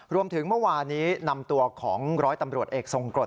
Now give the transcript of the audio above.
รวมถึงเมื่อวานนี้นำตัวของร้อยตำรวจเอกทรงกฎ